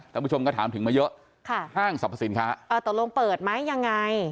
ท่านผู้ชมก็ถามถึงมาเยอะค่ะห้างสรรพสินค้าเออตกลงเปิดไหมยังไง